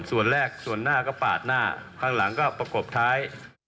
ส่วนแรกส่วนหน้าก็ปาดหน้าข้างหลังก็ประกบท้าย